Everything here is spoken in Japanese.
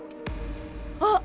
あっ！